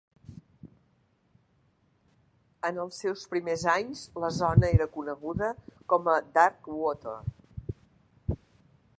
En els seus primers anys, la zona era coneguda com a Darkwater.